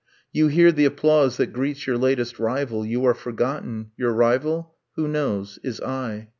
. You hear the applause that greets your latest rival, You are forgotten: your rival who knows? is I